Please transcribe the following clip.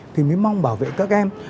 thì mới mong bảo vệ các em